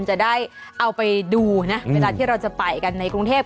จะได้เอาไปดูนะเวลาที่เราจะไปกันในกรุงเทพ